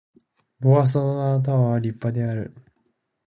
ボワソナードタワーは立派である